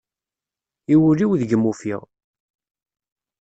I wul-iw deg-m ufiɣ.